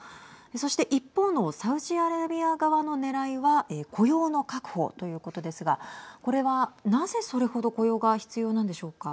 そして、一方のサウジアラビア側のねらいは雇用の確保ということですがこれは、なぜそれほど雇用が必要なんでしょうか。